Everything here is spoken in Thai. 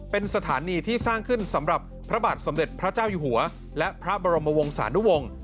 เป็นสถานีที่สร้างขึ้นสำหรับพระบาทสมเด็จพระเจ้าอยู่หัวและพระบรมวงศานุวงศ์